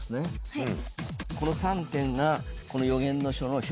はい。